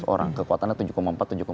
orang kekuatannya tujuh empat tujuh lima